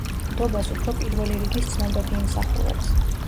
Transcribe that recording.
ნდობას უფრო პირველი რიგის ცნობები იმსახურებს.